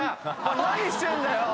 何してんだよ！